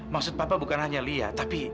maksud papa bukan hanya lia tapi